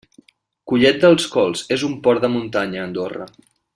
Collet dels Colls és un port de muntanya a Andorra.